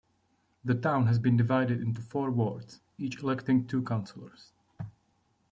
The town has been divided into four wards, each electing two councillors.